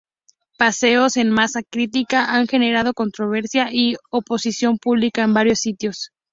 Paseos en Masa Crítica han generado controversia y oposición pública en varios sitios.